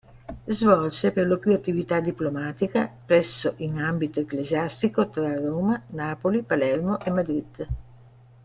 Svolse perlopiù attività diplomatica presso in ambito ecclesiastico tra Roma, Napoli, Palermo e Madrid.